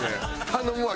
頼むわ。